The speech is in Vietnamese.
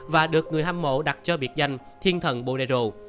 và được người hâm mộ đặt cho biệt danh thiên thần bồ đề rồ